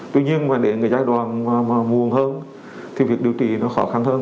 tuy nhiên mà để cái giai đoạn mà muộn hơn thì việc điều trị nó khó khăn hơn